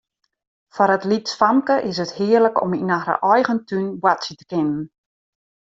Foar it lytsfamke is it hearlik om yn har eigen tún boartsje te kinnen.